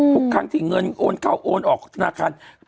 ทุกครั้งที่เงินโอนเข้าโอนออกธนาคาร